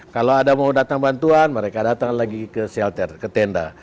kalau ada mau datang bantuan mereka datang lagi ke shelter ke tenda